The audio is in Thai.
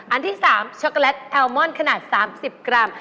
อันที่๓ช็อกโกแลตแอลมอนขนาด๓๐กรัม